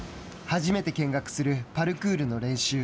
初めて見学するパルクールの練習。